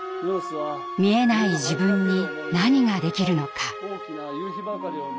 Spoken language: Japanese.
見えない自分に何ができるのか。